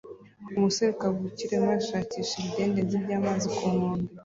Umusore kavukire arimo arashakisha ibidendezi byamazi ku nkombe